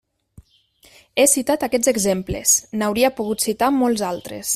He citat aquests exemples; n'hauria pogut citar molts altres.